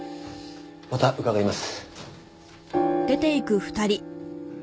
また伺います。